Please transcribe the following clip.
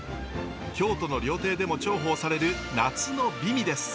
京都の料亭でも重宝される夏の美味です。